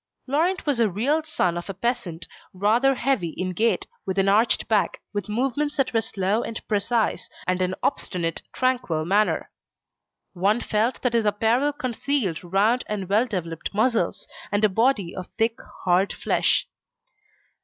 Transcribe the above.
Laurent was a real son of a peasant, rather heavy in gait, with an arched back, with movements that were slow and precise, and an obstinate tranquil manner. One felt that his apparel concealed round and well developed muscles, and a body of thick hard flesh.